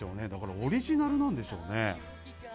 オリジナルなんでしょうね。